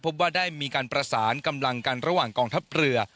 พบว่าได้มีการประสานกำลังกันระหว่างกองทัพเรือ